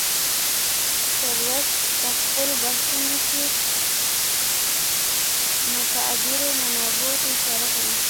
سروش په خپلو بحثونو کې معتبرو منابعو ته اشاره کوي.